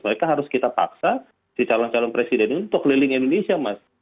mereka harus kita paksa si calon calon presiden itu untuk keliling indonesia mas